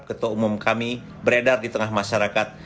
ketua umum kami beredar di tengah masyarakat